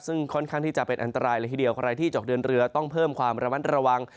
ซึ่งค่อนข้างที่จะเป็นอันตรายเลยทีเดียวใครที่จะออกเดินเรือต้องเพิ่มความระมัดระวัง